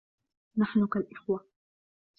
نحن كالإخوة.